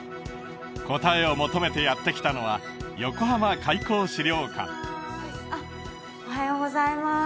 答えを求めてやって来たのは横浜開港資料館おはようございます